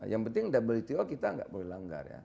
yang penting wto kita gak boleh langgar ya